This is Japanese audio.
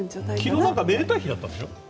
昨日、何かめでたい日だったんでしょ？